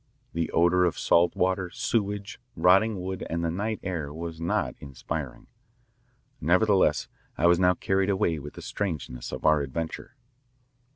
The odour of salt water, sewage, rotting wood, and the night air was not inspiring. Nevertheless I was now carried away with the strangeness of our adventure.